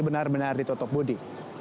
benar benar ditutup budi